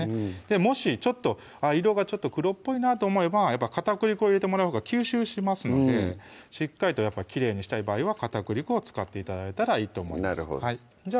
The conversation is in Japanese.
もしちょっと色がちょっと黒っぽいなと思えば片栗粉を入れてもらうほうが吸収しますのでしっかりとやっぱりきれいにしたい場合は片栗粉を使って頂いたらいいと思いますじゃあ